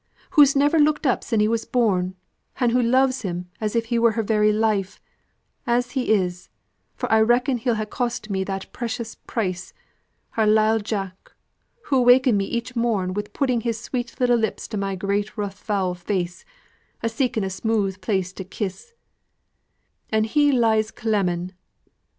Hoo's never looked up sin' he were born, and hoo loves him as if he were her very life, as he is, for I reckon he'll ha' cost me that precious price, our lile Jack, who wakened me each morn wi' putting his sweet little lips to my great rough fou' face, a seeking a smooth place to kiss, an' he lies clemming."